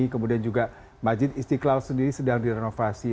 kemudian juga majid istiqlal sendiri sedang direnovasi